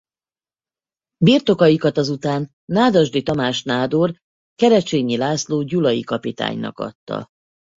Birtokaikat azután Nádasdy Tamás nádor Kerecsényi László gyulai kapitánynak adta.